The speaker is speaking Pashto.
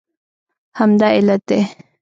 همدا علت دی